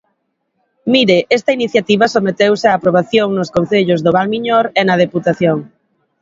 Mire, esta iniciativa someteuse á aprobación nos concellos do Val Miñor e na Deputación.